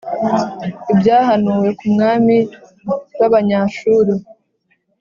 Ibyahanuwe ku mwami w’Abanyashuru